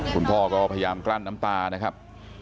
คุณพ่อก็พยายามกลั้นน้ำตานะครับ